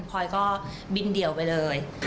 พลอยก็บินเดี่ยวไปเลย